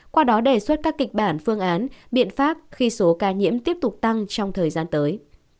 qua đó đề xuất các kịch bản phương án biện pháp khi số ca nhiễm tiếp tục tăng trong thời gian tới